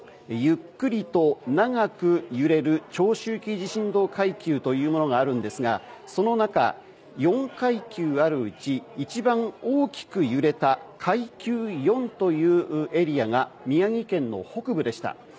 ゆっくりと長く揺れる長周期地震動階級というのがあるんですが、その中４階級があるうち一番大きく揺れた階級４というエリアが宮城県の北部でした。